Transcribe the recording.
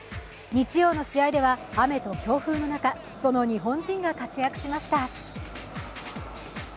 日曜の試合では雨と強風の中、その日本人が活躍しました。